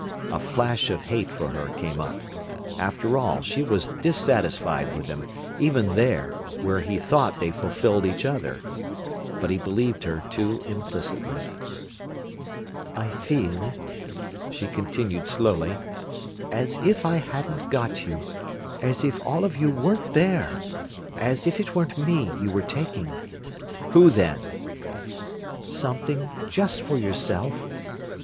A flash of hate for her came up. After all, she was dissatisfied with him, even there, where he thought they fulfilled each other. But he believed her too implicitly. "I feel," she continued slowly, "as if I hadn't got you, as if all of you weren't there, and as if it weren't me you were taking—" "Who, then?" "Something just for yourself.